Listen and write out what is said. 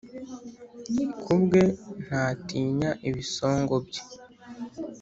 Kubwe ntatinya ibisongo bye